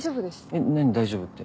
えっ何大丈夫って？